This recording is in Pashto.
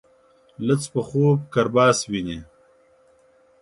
لڅ په خوب کرباس ويني.